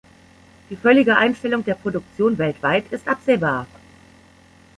Die völlige Einstellung der Produktion weltweit ist absehbar.